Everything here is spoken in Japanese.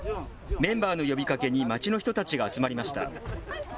メンバーの呼びかけに、町の人たちが集まりました。